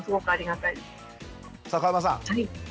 さあ川村さん！